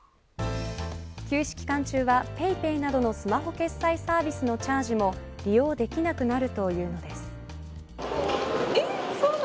休止期間中はＰａｙＰａｙなどのスマホ決済サービスのチャージも利用できなくなるというのです。